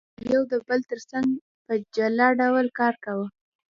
څو کارګرانو یو د بل ترڅنګ په جلا ډول کار کاوه